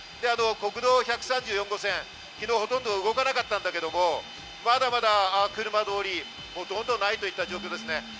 国道１３４号線、昨日ほとんど動かなかったんだけれども、まだまだ車通り、ほとんどないといった状況ですね。